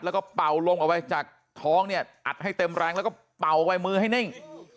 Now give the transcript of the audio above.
แล้วก็เป่าลมออกไปจากท้องเนี่ยอัดให้เต็มแรงแล้วก็เป่าวัยมือให้นิ่ง